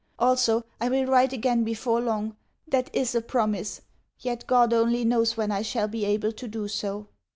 Also, I will write again before long. That is a promise. Yet God only knows when I shall be able to do so....